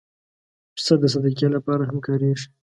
پسه د صدقې لپاره هم کارېږي.